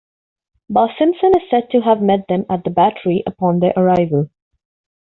Barsimson is said to have met them at The Battery upon their arrival.